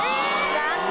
残念。